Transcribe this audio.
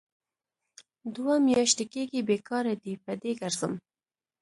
دوه میاشې کېږي بې کاره ډۍ په ډۍ کرځم.